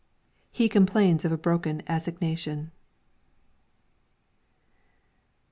He complains of a broken assignation.